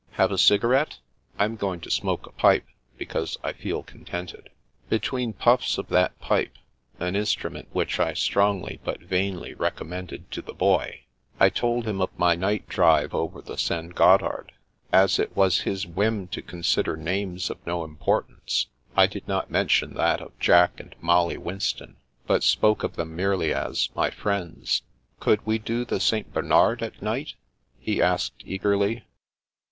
Have a cigarette? I'm going to smoke a pipe, because I feel contented." Between puffs of that pipe (an instrument which The Path of the Moon 163 I strongly but vainly recommended to the Boy) I told him of my night drive over the St. Gothard. As it was his whim to consider names of no impor tance, I did not mention that of Jack and Molly Winston, but spoke of them merely as "my friends." "0>uld we do the St. Bernard at night?'* he asked eagerly.